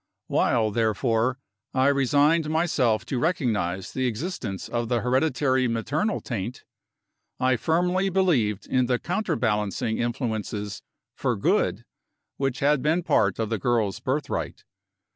While, therefore, I resigned myself to recognize the existence of the hereditary maternal taint, I firmly believed in the counterbalancing influences for good which had been part of the girl's birthright.